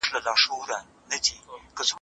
د ښوونځیو معلومات د انټرنیټ له لارې پراخیږي.